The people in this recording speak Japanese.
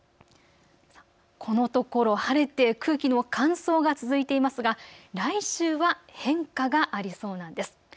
このところ晴れて空気の乾燥が続いていますが、来週は変化がありそうなんです。